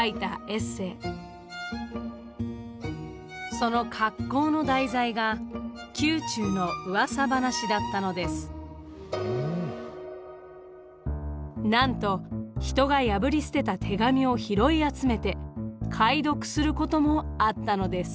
その格好のなんと人が破り捨てた手紙を拾い集めて解読することもあったのです。